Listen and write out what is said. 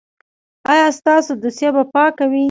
ایا ستاسو دوسیه به پاکه وي؟